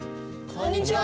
こんにちは。